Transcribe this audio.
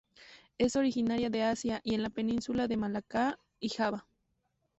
Es originaria de Asia en la península de Malaca y Java.